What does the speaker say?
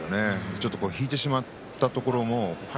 ちょっと引いてしまったところも北勝